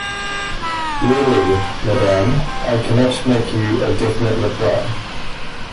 Really, madam, I cannot make you a definite reply.